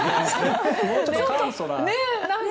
もうちょっと簡素な。